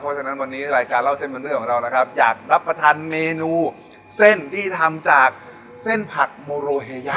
เพราะฉะนั้นวันนี้รายการเล่าเส้นเป็นเรื่องของเรานะครับอยากรับประทานเมนูเส้นที่ทำจากเส้นผักโมโรเฮยะ